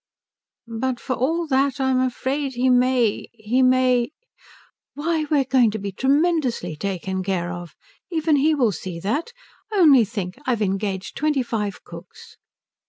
"But for all that I'm afraid he may he may " "Why, we're going to be tremendously taken care of. Even he will see that. Only think I've engaged twenty five cooks."